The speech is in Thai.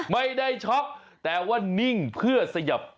ไม่ได้ช็อคแต่ว่านิ่งเพื่อสยบ